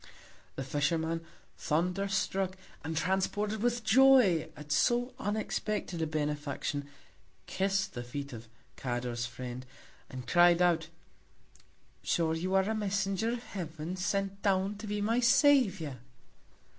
The Fisherman, thunder struck, and transported with Joy at so unexpected a Benefaction, kiss'd the Feet of Cador's Friend, and cried out, sure you are a Messenger of Heaven, sent down to be my Saviour!